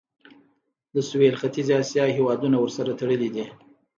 د سویل ختیځې اسیا هیوادونه ورسره تړلي دي.